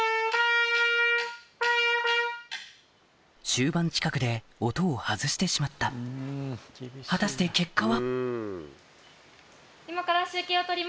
終盤近くで音を外してしまった果たして結果は？